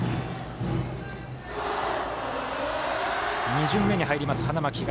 ２巡目に入ります、花巻東。